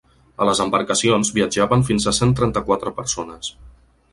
A les embarcacions viatjaven fins a cent trenta-quatre persones.